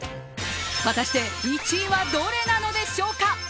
果たして１位はどれなのでしょうか。